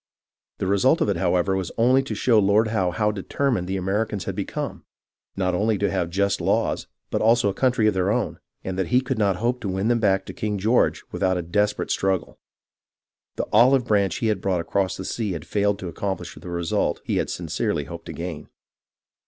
The result of it, however, was only to show Lord Howe how determined the Americans had become, not only to have just laws but also a country of their own, and that he could not hope to win them back to King George without a desperate struggle. The " olive branch " he had brought across the sea had failed to accomplish the result he had sincerely hoped to gain.